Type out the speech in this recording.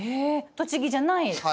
栃木じゃない話を？